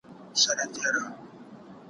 یوه لوی کمر ته پورته سو ډېر ستړی